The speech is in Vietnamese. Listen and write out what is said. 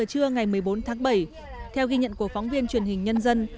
một mươi ba h trưa ngày một mươi bốn tháng bảy theo ghi nhận của phóng viên truyền hình nhân dân